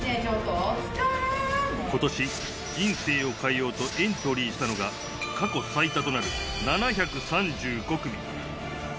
ことし、人生を変えようとエントリーしたのが、過去最多となる７３５組。